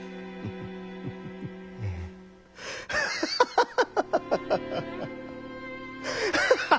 フハハハハハ！